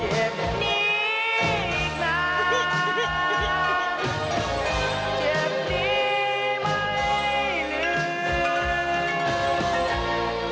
เจ็บลึกกว่าเคย